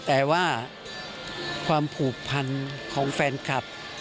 แต่ว่าความผูกพันของแฟนคลับ